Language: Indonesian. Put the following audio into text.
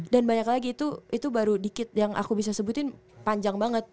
dan banyak lagi itu baru dikit yang aku bisa sebutin panjang banget